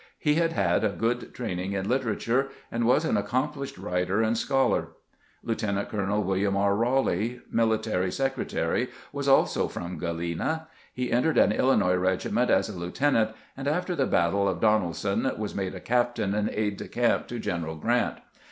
He had had a good training in literature, and was an accomplished writer and scholar. Lieutenant colonel William R. Rowley, military sec retary, was also from Galena. He entered an Illinois regiment as a lieutenant, and after the battle of Donel son was made a captain and aide de camp to General Grant.